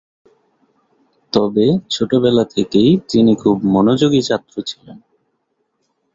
তবে ছোটবেলা থেকেই তিনি খুব মনোযোগী ছাত্র ছিলেন।